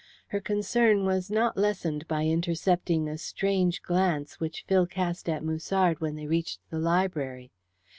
Her concern was not lessened by intercepting a strange glance which Phil cast at Musard when they reached the library.